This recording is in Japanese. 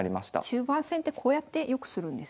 中盤戦ってこうやって良くするんですね。